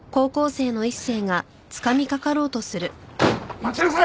待ちなさい！